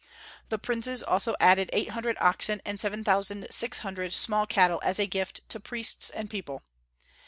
The princes also added eight hundred oxen and seven thousand six hundred small cattle as a gift to priests and people.